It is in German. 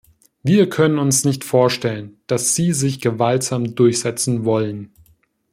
Wir können uns nicht vorstellen, dass Sie sich gewaltsam durchsetzen wollen.